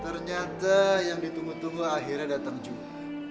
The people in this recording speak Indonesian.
ternyata yang ditunggu tunggu akhirnya datang juga